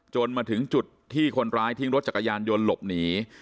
มาถึงจุดที่คนร้ายทิ้งรถจักรยานยนต์หลบหนี